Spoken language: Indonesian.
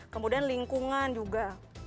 kemudian lingkungan juga